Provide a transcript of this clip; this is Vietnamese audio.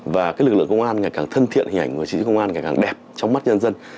và cái lực lượng công an ngày càng thân thiện hình ảnh người chính trị công an ngày càng đẹp trong mắt nhân dân